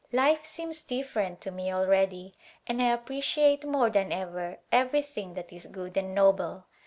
Life seems different to me already and I appreciate more than ever everything that is good and noble.